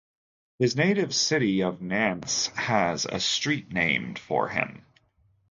His native city of Nantes has a street named for him.